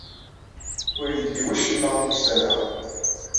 Ur yelli wacemma ukessar-a.